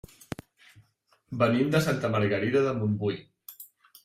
Venim de Santa Margarida de Montbui.